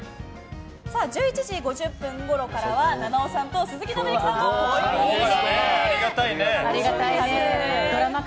１１時５０分ごろからは菜々緒さんと鈴木伸之さんのぽいぽいトーク。